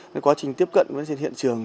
nên quá trình tiếp cận với trên hiện trường